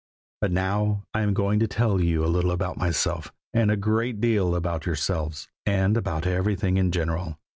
But now I am going to tell you a little about myself, and a great deal about yourselves, and about everything in general.